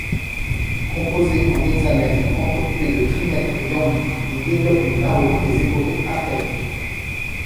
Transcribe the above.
Composé en hexamètres entrecoupés de trimètres iambiques, il développe une parodie des épopées archaïques.